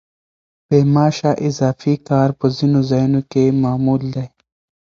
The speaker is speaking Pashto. بې معاشه اضافي کار په ځینو ځایونو کې معمول دی.